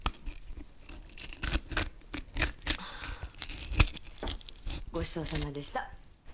ハァーごちそうさまでした。